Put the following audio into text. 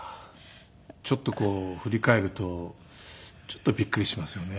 ちょっとこう振り返るとちょっとびっくりしますよね。